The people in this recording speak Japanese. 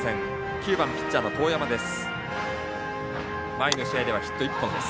９番ピッチャーの當山です。